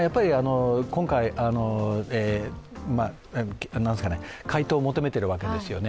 今回回答を求めてるわけですよね